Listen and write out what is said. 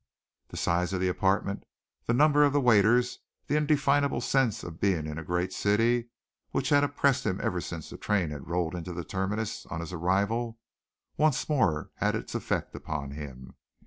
The size of the apartment, the number of the waiters, the indefinable sense of being in a great city, which had oppressed him since the train had rolled into the terminus on his arrival, once more had its effect upon him.